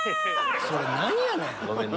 それ何やねん！